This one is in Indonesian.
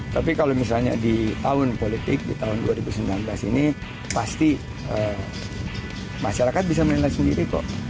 tapi kalau misalnya di tahun politik di tahun dua ribu sembilan belas ini pasti masyarakat bisa melihat sendiri kok